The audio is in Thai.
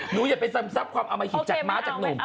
อย่าไปซึมซับความอมหิตจากม้าจากหนุ่ม